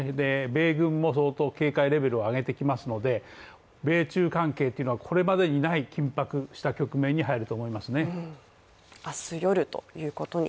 米軍も相当警戒レベルを上げてきますので、米中関係はこれまでにない緊迫した局面に入ると思います。